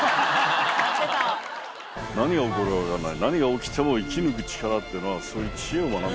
何が起こるか分かんない。